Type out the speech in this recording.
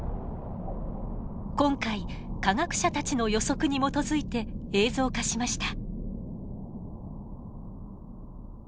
今回科学者たちの予測に基づいて映像化しました。